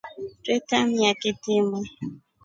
Twe tamia kitima.